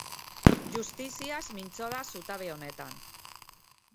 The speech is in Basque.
Justiziaz mintzo da zutabe honetan.